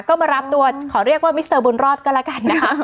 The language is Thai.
ก็มารับตัวขอเรียกว่ามิสเตอร์บุญรอดก็แล้วกันนะคะ